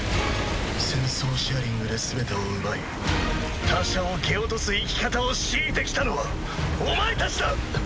戦争シェアリングで全てを奪い他者を蹴落とす生き方を強いてきたのはお前たちだ！